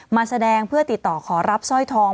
มาแสดงเพื่อติดต่อขอรับสร้อยทอง